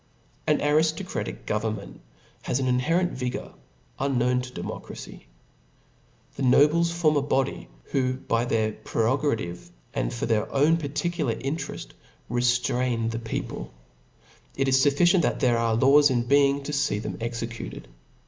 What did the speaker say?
An ariftocraticaf government h^ an inherent vigour, unknown to democracy. The nobles form a body, who by their prerogative, and Tor their own particular intereft, reftraifi the people; It is fufiicient, that there are laws in being to feef them C3^ecuted.